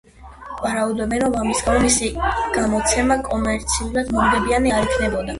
ვარაუდობენ, რომ ამის გამო მისი გამოცემა კომერციულად მომგებიანი არ იქნებოდა.